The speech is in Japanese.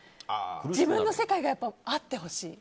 自分の世界があってほしい。